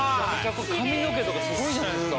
髪の毛とかすごいじゃないですか！